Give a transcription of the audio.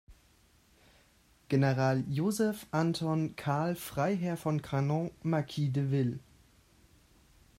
General Joseph Anton Karl Freiherr von Canon, Marquis de Ville.